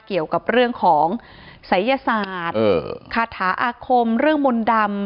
เกี่ยวกับเรื่องของศัยยศาสตร์คาถาอาคมเรื่องมนต์ดำ